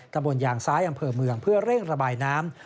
ตำบลยางซ้ายอำเภอเมืองเพื่อเร่งระบายน้ำ